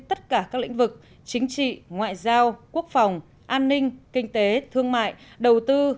tất cả các lĩnh vực chính trị ngoại giao quốc phòng an ninh kinh tế thương mại đầu tư